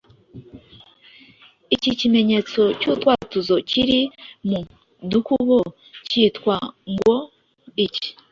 Iki kimenyetso cy’utwatuzo kiri mu dukubo kitwa ngo iki?